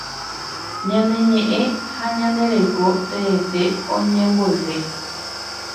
Ñane ñeʼẽ ha ñande reko teete oñemboyke.